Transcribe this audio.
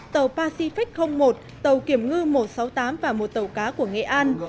tàu pacific một tàu kiểm ngư một trăm sáu mươi tám và một tàu cá của nghệ an